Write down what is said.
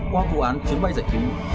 qua vụ án chuyến bay giải trí